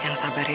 yang sabar ya